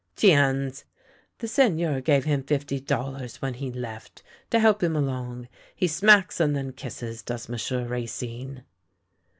" Ticiis! The Seigneur gave him fifty dollars when he left, to help him along — he smacks and then kisses, does M'sieu' Racine!